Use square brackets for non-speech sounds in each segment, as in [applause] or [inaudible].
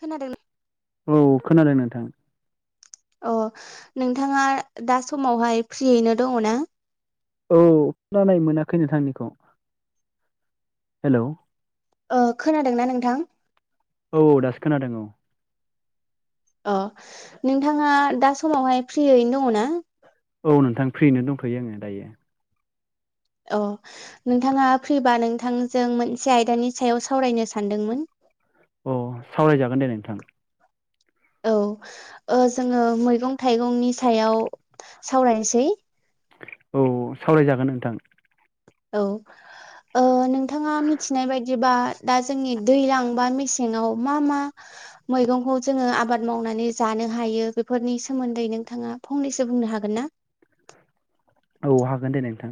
खोनादों औ खोनादों नोंथां। अ नोंथाङा दा समावहाय फ्रियैनो दङ ना? औ खोनानाय मोनाखै नोंथांनिखौ हेल' खोनादोंना नोंथां? औ औ दासो खोनादों औ। अ नोंथाङा दा समावहाय फ्रियैनो दङ ना? औ नोंथां फ्रिनो दंथयो आङो दायो। अ नोंथाङा फैबा नोंथांजों मोनसे आयदानि सायाव सावरायनो सानदोंमोन। अ सावरायजागोन दे नोंथां। औ जोङो मैगं थाइगंनि सायाव सावरायनोसै। औ सावरायजागोन नोंथां औ नोंथाङा मिथिनाय बायदिबा दा जोंनि दैजलां बा मेसेङाव मा मा मैगंखौ जोङो आबाद मावनानै जानो हायो बेफोरनि सोमोन्दै नोंथाङा फंनैसो बुंनो हागोन ना? औ हागोन दे नोंथां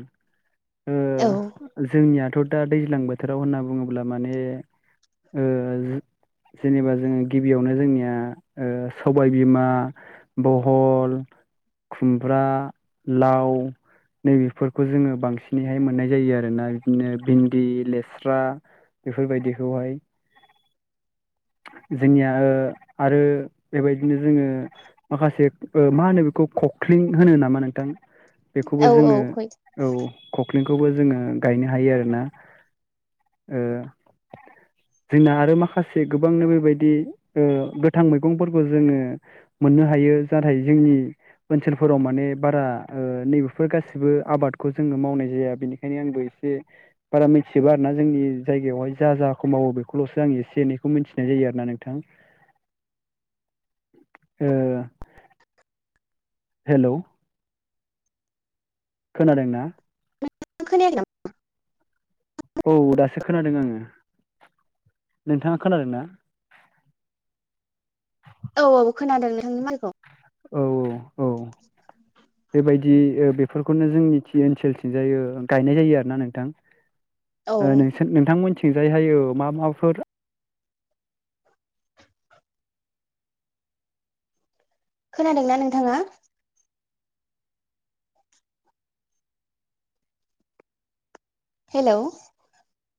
ओ औ जोंनियाथ' दा दैज्लां बोथोराव होनना बुङोब्ला माने जेनेबा जोङो गिबियावनो जोंनिया सबाय बिमा बहल खुमब्रा लाव नैबेफोरखौ जोङो बांसिनैहाय मोननाय जायो आरोना बिदिनो भिन्दि लेस्रा बेफोरबायदिखौहाय जोंनिया आरो बेबायदिनो जोङो माखासे मा होनो बेखौ कख्लिं होनो नामा नोंथां औ बेखौबो औ जोङो औ खखिंखौबो जोङो गायनो हायो आरोना ओ जोंना आरो माखासे गोबांनो बेबायदि ओ गोथां मैगंफोरखौ जोङो मोननो हायो नाथाय जोंनि ओनसोलफोराव माने बारा नैबेफोर गासिबो आबादखौ जोङो मावनाय जाया बेनि बेंखायनो आंबो एसे बारा मिथिबा आरो ना जोंनि जायगायावहाय जा जाखौ मावो बेखौल'सो आं एसे एनै बेखौ मिथिनाय जायो आरो ना नोंथां। ओ हेल' खोनादोंना? नों खोनायाखै औ दासो खोनादों आङो नोंथाङा खोनादों ना औ औ खोनादों नोंथांनि माखौ औ औ औ औ बेबायदि बेफोरखौनो जोंनि थि ओनसोलथिं जायो गायनाय जायो आरोना नोंथां औ नोंथां नोंथांमोनथिंजाय हायो मा माफोर खोनादोंना नोंथाङा [inaudible] हेल'